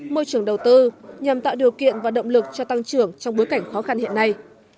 môi trường đầu tư nhằm tạo điều kiện và động lực cho tăng trưởng trong bối cảnh khó khăn hiện nay